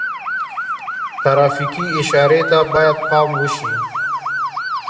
ترافیکي اشارې ته باید پام وشي.